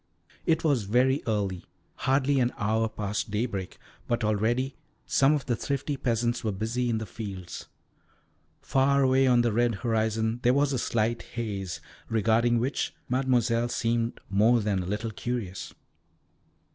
It was very early, hardly an hour past daybreak, but already some of the thrifty peasants were busy in the fields. Far away on the red horizon there was a slight haze, regarding which Mademoiselle seemed more than a little curious.